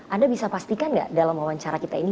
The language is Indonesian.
anda bisa pastikan nggak dalam wawancara kita ini